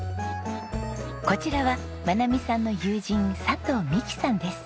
こちらは真奈美さんの友人佐藤美紀さんです。